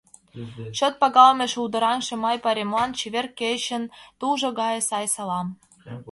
Чот пагалыме Шулдыраҥше май пайремлан Чевер кечын Тулжо гае сай салам.